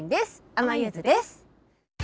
あまゆーずです。